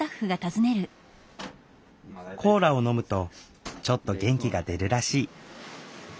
コーラを飲むとちょっと元気が出るらしい。